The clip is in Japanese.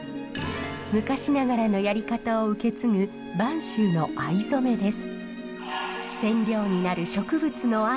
昔ながらのやり方を受け継ぐ播州の藍染めです。